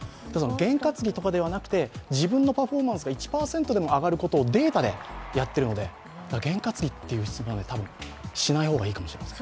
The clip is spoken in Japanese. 験担ぎとかではなくて自分のパフォーマンスが１％でも上がることをデータでやっているので験担ぎという質問は多分しない方がいいかもしれません。